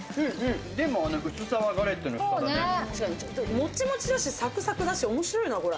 モチモチだし、サクサクだし、面白いな、これ。